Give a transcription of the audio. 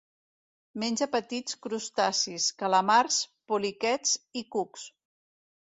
Menja petits crustacis, calamars, poliquets i cucs.